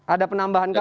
ada penambahan kapan